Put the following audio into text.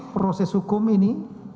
proses hukum ini